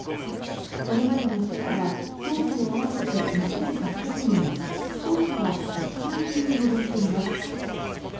これまでの死者は双方合わせて２８００人負傷者は１万人に上っています。